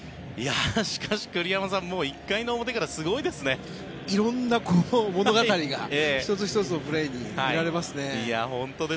しかし、栗山さんもう１回の表から色んな物語が１つ１つのプレーに見られますね。